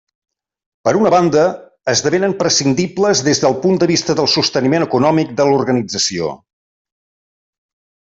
Per una banda, esdevenen prescindibles des del punt de vista del sosteniment econòmic de l'organització.